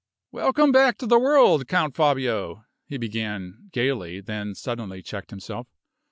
"Welcome back to the world, Count Fabio!" he began, gayly, then suddenly checked himself.